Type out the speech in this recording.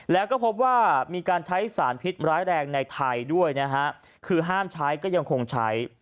แล้วก็พบว่ามีการใช้สารพิษร้ายแรงในไทยด้วยนะฮะคือห้ามใช้ก็ยังคงใช้